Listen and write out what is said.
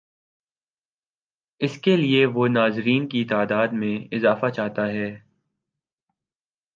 اس کے لیے وہ ناظرین کی تعداد میں اضافہ چاہتا ہے۔